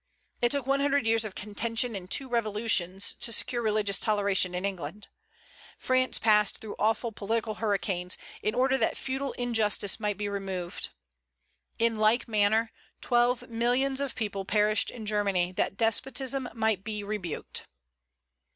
It took one hundred years of contention and two revolutions to secure religious toleration in England. France passed through awful political hurricanes, in order that feudal injustice might be removed. In like manner, twelve millions of people perished in Germany, that despotism might be rebuked.